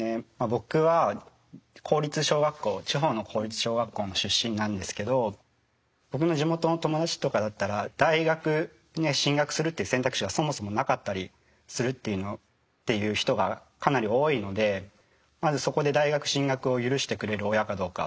僕は公立小学校地方の公立小学校の出身なんですけど僕の地元の友達とかだったら大学に進学するという選択肢がそもそもなかったりするっていう人がかなり多いのでまずそこで大学進学を許してくれる親かどうか。